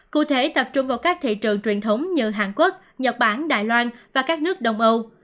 cụ thể tập trung vào các thị trường truyền thống như hàn quốc nhật bản đài loan và các nước đông âu